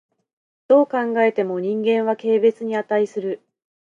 どう考えても人間は軽蔑に価する。